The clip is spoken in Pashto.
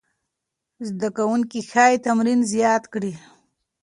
زده کوونکي ښايي تمرین زیات کړي.